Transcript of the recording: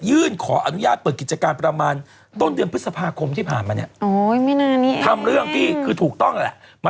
ขออนุญาตเปิดกิจการประมาณต้นเดือนพฤษภาคมที่ผ่านมาเนี่ยทำเรื่องพี่คือถูกต้องแหละมา